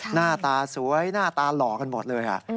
หน้าตาสวยหน้าตาหล่อกันหมดเลย